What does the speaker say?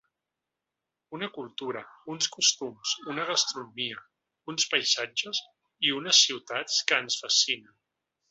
Una cultura, uns costums, una gastronomia, uns paisatges i unes ciutats que ens fascinen.